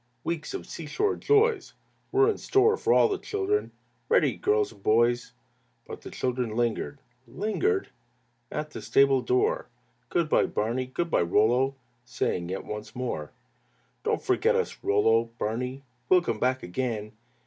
Weeks of seashore joys Were in store for all the children. "Ready, girls and boys!" But the children lingered, lingered At the stable door; "Good by, Barney," "Good by, Rollo," Saying yet once more. "Don't forget us, Rollo, Barney, We'll come back again!